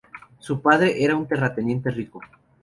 Su padre era un terrateniente rico.